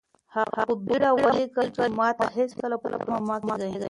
هغه په بېړه ولیکل چې ماته هېڅکله په تمه مه کېږئ.